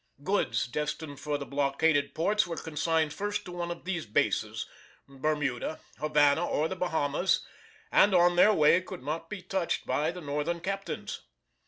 Goods destined for the blockaded ports were consigned first to one of these bases, Bermuda, Havana, or the Bahamas, and on their way could not be touched by the Northern captains.